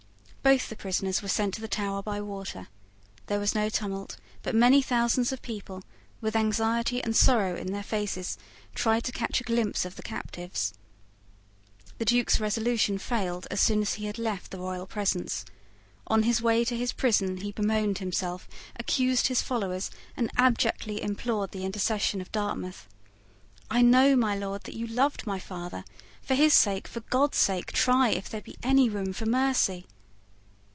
Both the prisoners were sent to the Tower by water. There was no tumult; but many thousands of people, with anxiety and sorrow in their faces, tried to catch a glimpse of the captives. The Duke's resolution failed as soon as he had left the royal presence. On his way to his prison he bemoaned himself, accused his followers, and abjectly implored the intercession of Dartmouth. "I know, my Lord, that you loved my father. For his sake, for God's sake, try if there be any room for mercy."